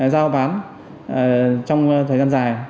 giao bán trong thời gian dài